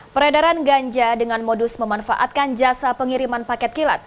peredaran ganja dengan modus memanfaatkan jasa pengiriman paket kilat